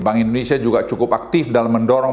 bank indonesia juga cukup aktif dalam mendorong